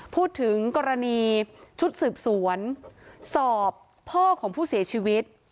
พูดถึงกรณีชุดสืบสวนสอบพ่อของผู้เสียชีวิต